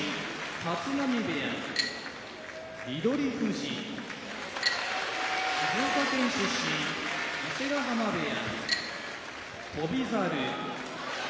立浪部屋翠富士静岡県出身伊勢ヶ濱部屋翔猿